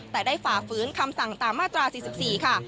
แต่ได้ฝ่าฝืนคำสั่งตามมาตรา๔๔ค่ะ